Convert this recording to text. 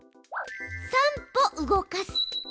「３歩動かす」。